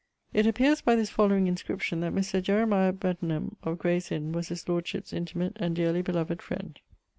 _> It appeares by this following inscription that Mr. Jeremiah Betenham of Graye's Inne was his lordship's intimate and dearely beloved friend.